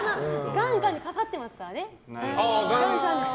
ガンが岩ちゃんにかかってますからね。